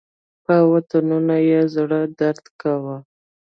په وطنونو یې زړه درد کاوه.